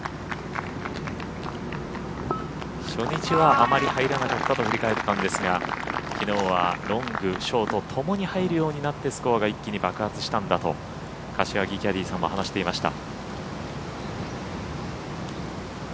初日はあまり入らなかったと振り返ったんですがきのうはロング、ショートともに入るようになってスコアが一気に爆発したんだとキャディーさんは話していました。